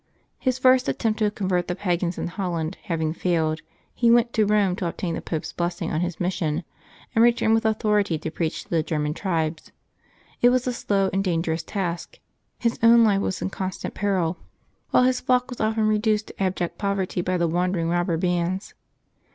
His first attempt to convert the pagans in Holland having failed, he went to Eome to obtain the Pope's blessing on his mission, and returned with authority to preach to the German tribes. It was a slow and dangerous task ; his own life was in con stant peril, while his flock was often reduced to abject poverty by the wandering robber bands.